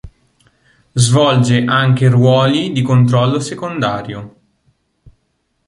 Svolge anche ruoli di controllo secondario.